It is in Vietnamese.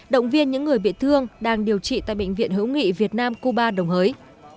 động viên những người bị thương đang điều trị tại bệnh viện hữu nghị việt nam cuba đồng hới